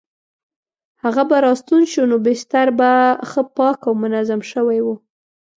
هغه به راستون شو نو بستر به ښه پاک او منظم شوی وو.